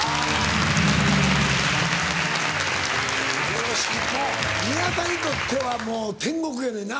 よろしくもう宮田にとってはもう天国やねんな。